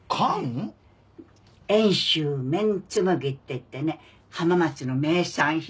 遠州綿紬っていってね浜松の名産品。